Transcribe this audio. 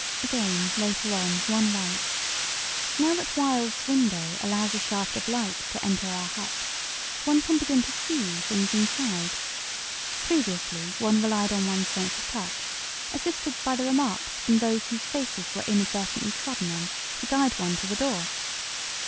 Again, later on, one writes: "Now that Wild's window allows a shaft of light to enter our hut, one can begin to 'see' things inside. Previously one relied upon one's sense of touch, assisted by the remarks from those whose faces were inadvertently trodden on, to guide one to the door.